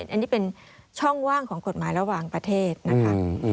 อันนี้เป็นช่องว่างของกฎหมายระหว่างประเทศนะคะ